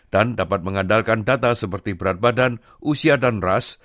dan dapat mengandalkan data seperti berat badan usia dan ras